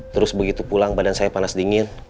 terus begitu pulang badan saya panas dingin